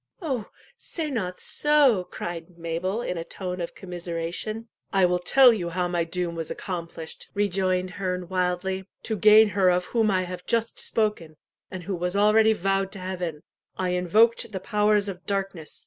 "Oh, say not so!" cried Mabel, in a tone of commiseration. "I will tell you how my doom was accomplished," rejoined Herne wildly. "To gain her of whom I have just spoken, and who was already vowed to Heaven, I invoked the powers of darkness.